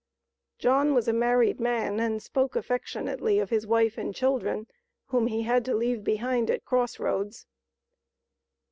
John was a married man, and spoke affectionately of his wife and children, whom he had to leave behind at Cross Roads.